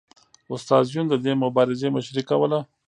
استاد یون د دې مبارزې مشري کوله